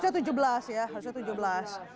harusnya tujuh belas orang ya